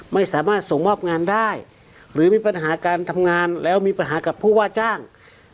ไม่สามารถส่งมอบงานได้หรือมีปัญหาการทำงานแล้วมีปัญหากับผู้ว่าจ้าง